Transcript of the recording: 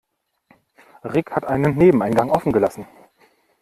Rick hat einen Nebeneingang offen gelassen.